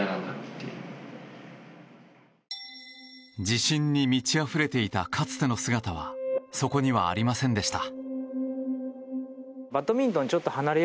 自信に満ちあふれていたかつての姿はそこにはありませんでした。